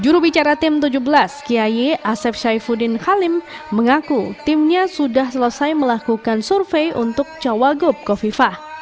juru bicara tim tujuh belas kiai asef syahifuddin khalim mengaku timnya sudah selesai melakukan survei untuk jawagub kofifah